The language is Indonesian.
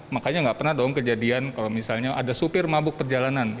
makanya nggak pernah dong kejadian kalau misalnya ada supir mabuk perjalanan